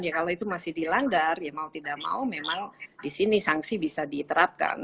ya kalau itu masih dilanggar ya mau tidak mau memang di sini sanksi bisa diterapkan